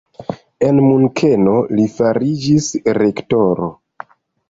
En Munkeno li fariĝis rektoro.